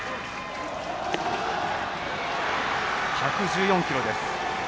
１１４キロです。